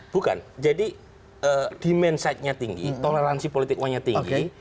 bukan jadi di main sitenya tinggi toleransi politik uangnya tinggi